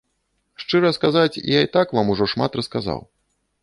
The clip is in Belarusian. Шчыра сказаць, я і так вам ужо шмат расказаў.